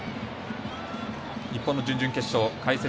日本の準々決勝解説